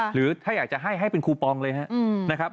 หรือถ้าอยากจะให้ให้เป็นคูปองเลยนะครับ